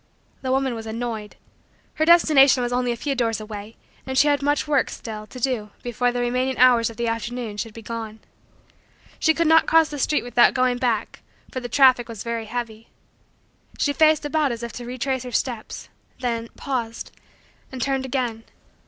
The woman was annoyed. Her destination was only a few doors away and she had much work, still, to do before the remaining hours of the afternoon should be gone. She could not cross the street without going back for the traffic was very heavy. She faced about as if to retrace her steps, then, paused and turned again.